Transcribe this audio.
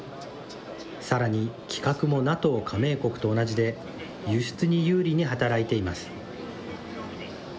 さらに、規格もＮＡＴＯ加盟国と同じで、輸出に有利に働いています。